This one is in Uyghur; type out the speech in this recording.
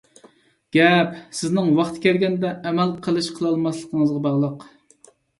گەپ، سىزنىڭ ۋاقتى كەلگەندە ئەمەل قىلىش-قىلالماسلىقىڭىزغا باغلىق.